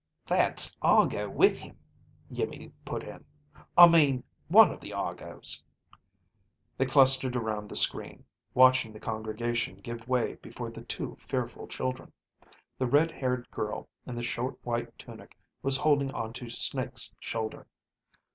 "That's Argo with him," Iimmi put in. "I mean one of the Argos." They clustered around the screen, watching the congregation give way before the two fearful children. The red haired girl in the short white tunic was holding onto Snake's shoulder.